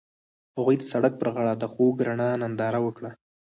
هغوی د سړک پر غاړه د خوږ رڼا ننداره وکړه.